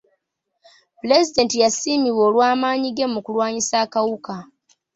Pulezidenti yasiimibwa olw'amaanyi ge mu kulwanyisa akawuka.